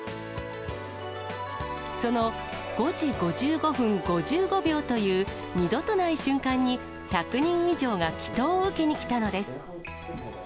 その５時５５分５５秒という二度とない瞬間に、１００人以上が祈とうを受けに来たのです。